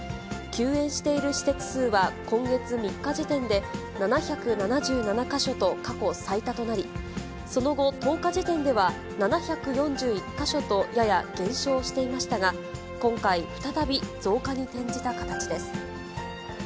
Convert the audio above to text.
休園している施設数は、今月３日時点で、７７７か所と過去最多となり、その後、１０日時点では７４１か所とやや減少していましたが、今回、再び増加に転じた形です。